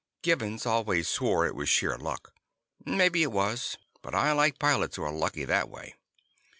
Gibbons always swore it was sheer luck. Maybe it was, but I like pilots who are lucky that way.